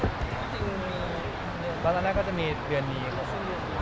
คือตอนต่างหากก็จะมีเวทิศเดือนนี้จ้ะ